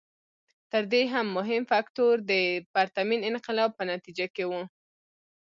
تر دې هم مهم فکټور د پرتمین انقلاب په نتیجه کې و.